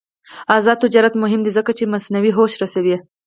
آزاد تجارت مهم دی ځکه چې مصنوعي هوش رسوي.